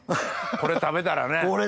これ食べたら。